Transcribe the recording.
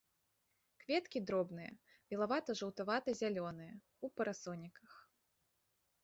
Кветкі дробныя, белавата-жаўтавата-зялёныя, у парасоніках.